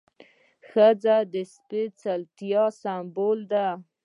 ښځه د سپېڅلتیا سمبول ده.